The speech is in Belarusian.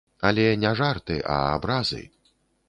Але не жарты, а абразы.